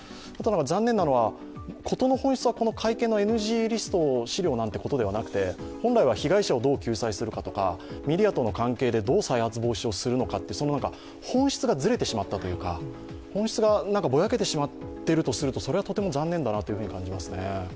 残念なのは、事の本質はＮＧリスト、資料ということではなくて本来は被害者をどう救済するかとかメディアとの関係でどう再発防止をするのかという本質がずれてしまったというか、本質がぼやけてしまっているとするととても残念だなと思いますね。